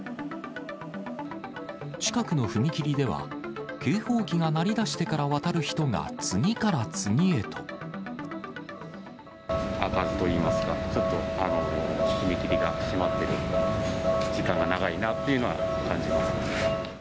近くの踏切では、警報機が鳴り出してから渡る人が次から次へと。開かずといいますか、ちょっと踏切が閉まっている時間が長いなっていうのは感じます。